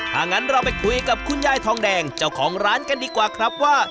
ถ้างั้นเราไปคุยกับคุณยายทองแดงเจ้าของร้านกันดีกว่าครับว่า